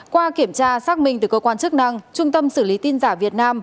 qua kiểm tra xác minh từ cơ quan chức năng trung tâm xử lý tin giả việt nam